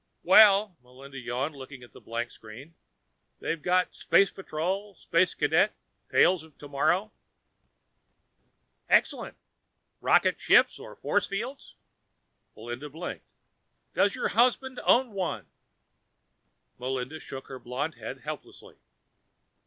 "Well," Melinda yawned, looking at the blank screen, "they've got Space Patrol, Space Cadet, Tales of Tomorrow ..." "Excellent. Rocket ships or force fields?" Melinda blinked. "Does your husband own one?" Melinda shook her blonde head helplessly.